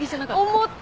思った。